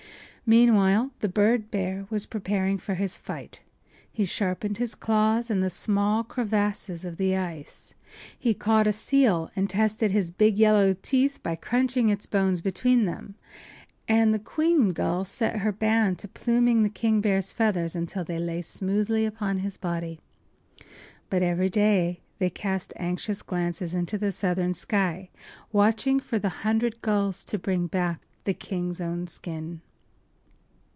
Meanwhile the bird bear was preparing for his fight. He sharpened his claws in the small crevasses of the ice. He caught a seal and tested his big yellow teeth by crunching its bones between them. And the queen gull set her band to pluming the king bear’s feathers until they lay smoothly upon his body. But every day they cast anxious glances into the southern sky, watching for the hundred gulls to bring back the king’s own skin.